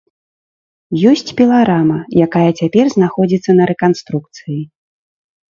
Ёсць піларама, якая цяпер знаходзіцца на рэканструкцыі.